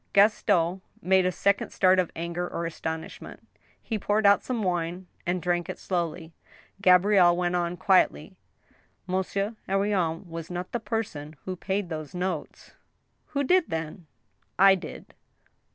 Gaston made a second start of anger or astonishment. He poured out some wine, and drank it slowly. Gabrielle went on, quietly :Monsieur Henrion was not the person who paid those notes." "Who did, then?" "I did."